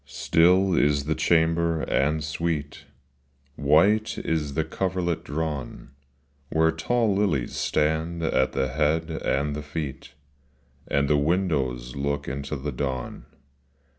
Still is the chamber and sweet, White is the coverlet drawn, Where tall lilies stand at the head and the feet, And the windows look into the dawn.